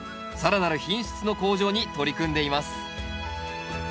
更なる品質の向上に取り組んでいます。